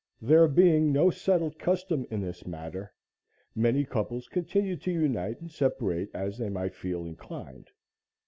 There being no settled custom in this matter, many couples continued to unite and separate as they might feel inclined.